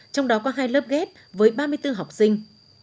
trong đó có hai lớp ghép với ba mươi bốn học sinh